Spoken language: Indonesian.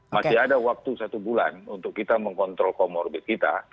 masih ada waktu satu bulan untuk kita mengkontrol comorbid kita